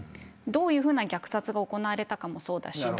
どういうふうな虐殺が行われたかもそうだし